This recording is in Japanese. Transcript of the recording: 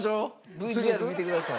ＶＴＲ見てください。